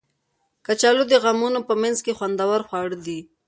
کچالو د غمونو په منځ کې خوندور خواړه دي